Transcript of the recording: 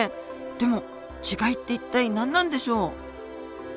でも違いって一体何なんでしょう？